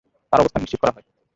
তার অবস্থান নিশ্চিত করা হয়।